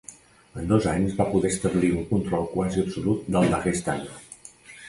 En dos anys va poder establir un control quasi absolut del Daguestan.